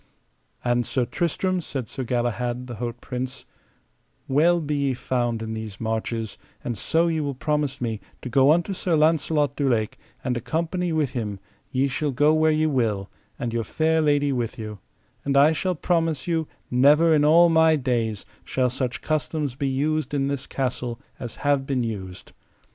And, Sir Tristram, said Sir Galahad, the haut prince, well be ye found in these marches, and so ye will promise me to go unto Sir Launcelot du Lake, and accompany with him, ye shall go where ye will, and your fair lady with you; and I shall promise you never in all my days shall such customs be used in this castle as have been used.